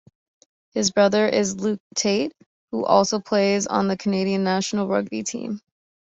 His brother is Luke Tait, who also plays on the Canadian national rugby team.